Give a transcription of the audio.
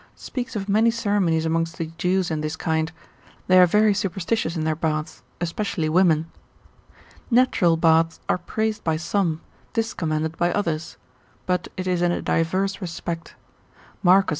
speaks of many ceremonies amongst the Jews in this kind; they are very superstitious in their baths, especially women. Natural baths are praised by some, discommended by others; but it is in a divers respect. Marcus, de Oddis in Hip.